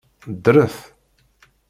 Ddret!